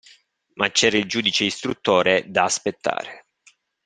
Ma c'era il giudice istruttore da aspettare.